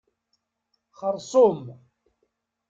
Xerṣum.